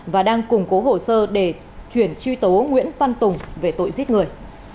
và đang củng cố hồ sơ để chuyển truy tố nguyễn văn tùng về tội giết người